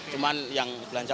yaudah gitu aja